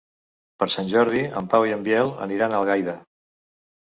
Per Sant Jordi en Pau i en Biel aniran a Algaida.